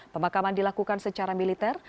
pemakaman dilakukan secara militer